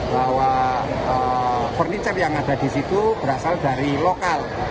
bahwa furniture yang ada di situ berasal dari lokal